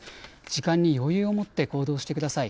時間に余裕を持って行動してください。